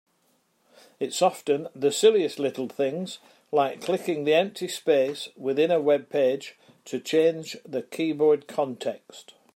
It's often for the silliest little things, like clicking in the empty space within a webpage to change the keyboard context.